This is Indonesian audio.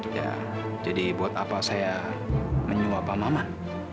ya jadi buat apa saya menyuap pak maman